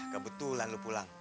kebetulan lu pulang